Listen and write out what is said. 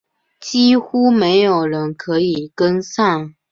几乎没有人可以跟上